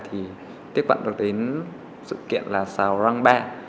thì tiếp cận được đến sự kiện là saurang ba